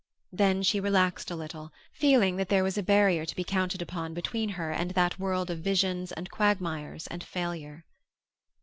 Then she relaxed a little, feeling that there was a barrier to be counted upon between her and that world of visions and quagmires and failure.